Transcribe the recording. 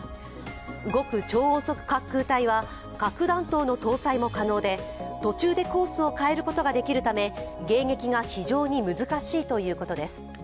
極超音速滑空体は核弾頭の搭載も可能で途中でコースを変えることができるため迎撃が非常に難しいということです。